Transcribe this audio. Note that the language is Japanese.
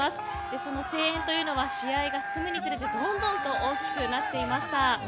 その声援というのは試合が進むにつれてどんどん大きくなっていました。